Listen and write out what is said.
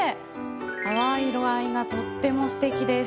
淡い色合いがとってもすてきです。